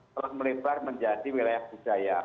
telah melebar menjadi wilayah budaya